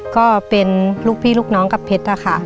ก็เป็นลูกพี่ลูกน้องกับเพชรอะค่ะ